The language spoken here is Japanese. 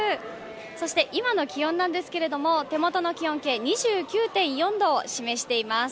そして今の気温なんですけど手元の気温計２９．４度を示しています。